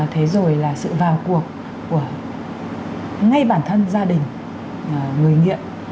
thế rồi là sự vào cuộc của ngay bản thân gia đình người nghiện